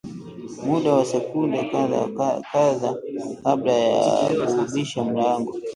muda wa sekunde kadhaa kabla ya kuubisha mlango